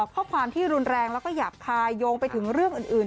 ข้อความที่รุนแรงแล้วก็หยาบคายโยงไปถึงเรื่องอื่น